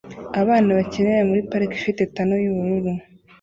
Abana bakinira muri parike ifite tunel yubururu